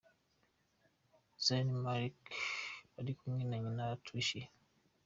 Zayn Malik ari kumwe na nyina Tricia.